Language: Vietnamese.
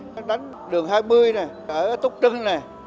nó đánh đường hai mươi nè ở túc trưng nè